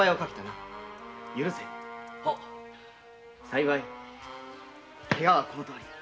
幸いケガはこのとおりだ。